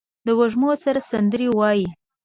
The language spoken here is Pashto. د وږمو سره سندرې وايي